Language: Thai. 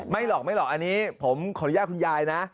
หลอกไม่หรอกอันนี้ผมขออนุญาตคุณยายนะ